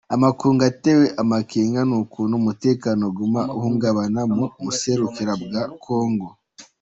Amakungu atewe amakenga n'ukuntu umutekano uguma uhungabana mu buseruko bwa Congo.